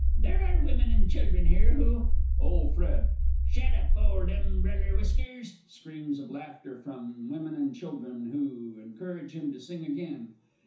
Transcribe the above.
There are women and children here who OLE FRED. Shet up, old umbereller whiskers! (_Screams of laughter from women and children, which encourage him to sing again.